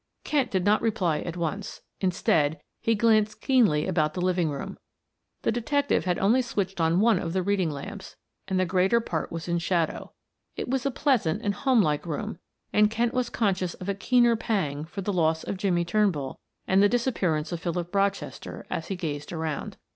Kent did not reply at once; instead, he glanced keenly about the living room. The detective had only switched on one of the reading lamps and the greater part was in shadow. It was a pleasant and home like room, and Kent was conscious of a keener pang for the loss of Jimmie Turnbull and the disappearance of Philip Rochester, as he gazed around.